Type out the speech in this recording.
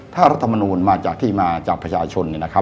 ถ้ารัฐมนูลมาจากที่มาจากประชาชน